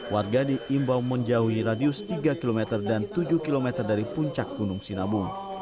warga diimbau menjauhi radius tiga km dan tujuh km dari puncak gunung sinabung